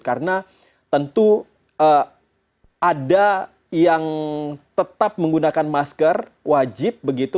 karena tentu ada yang tetap menggunakan masker wajib begitu